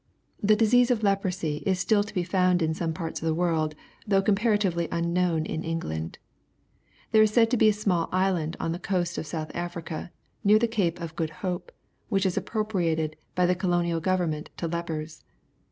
The disease of leprosy is still to be found in some parts of the world, though comparatively unknown in England. There is said to be a small island on the coast of South Africa, near the Cape of Good Hope, which is appropriated by the Colonial Govern ment to lepers.